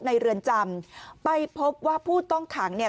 เรือนจำไปพบว่าผู้ต้องขังเนี่ย